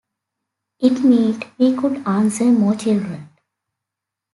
It meant we could answer more children.